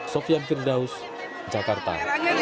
sofian firdaus jakarta